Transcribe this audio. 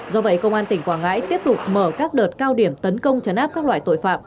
do vậy công an tỉnh quảng ngãi tiếp tục mở các đợt cao điểm tấn công chấn áp các loại tội phạm